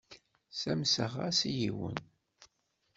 Ssamseɣ-as i yiwen.